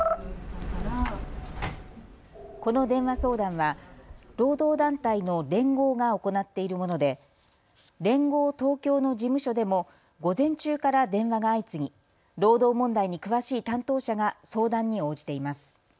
この電話相談は労働団体の連合が行っているもので連合東京の事務所でも午前中から電話が相次ぎ労働問題に詳しい担当者が相談に応じています。